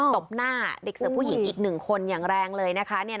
ตบหน้าเด็กเสิร์ฟผู้หญิงอีกหนึ่งคนอย่างแรงเลย